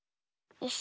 よし。